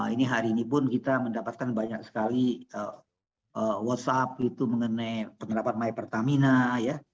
ini hari ini pun kita mendapatkan banyak sekali whatsapp itu mengenai penerapan my pertamina ya